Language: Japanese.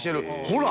ほら！